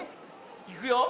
いくよ。